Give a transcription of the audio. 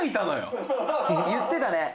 「言ってたね」